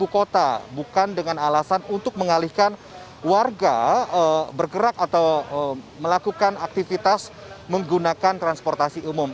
kota bukan dengan alasan untuk mengalihkan warga bergerak atau melakukan aktivitas menggunakan transportasi umum